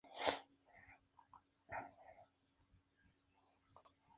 Enrique Diego-Madrazo no sólo destacó en el ámbito de la medicina.